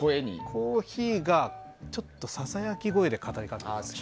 コーヒーがささやき声で語りかけてきます。